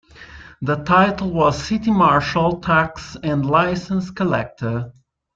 The title was City Marshal, Tax and Licence Collector.